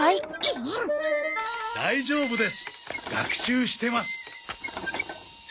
大丈夫です学習してます。